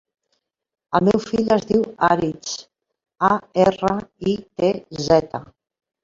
El meu fill es diu Aritz: a, erra, i, te, zeta.